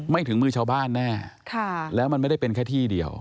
ถึงมือชาวบ้านแน่แล้วมันไม่ได้เป็นแค่ที่เดียว